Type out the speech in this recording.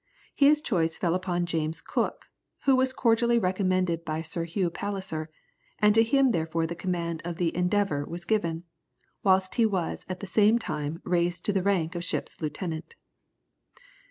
His choice fell upon James Cook, who was cordially recommended by Sir Hugh Palliser, and to him therefore the command of the Endeavour was given, whilst he was at the same time raised to the rank of ship's lieutenant.